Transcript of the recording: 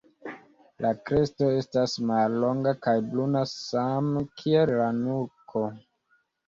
La kresto estas mallonga kaj bruna same kiel la nuko.